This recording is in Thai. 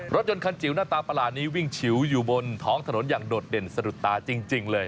รถยนต์คันจิ๋วหน้าตาประหลาดนี้วิ่งชิวอยู่บนท้องถนนอย่างโดดเด่นสะดุดตาจริงเลย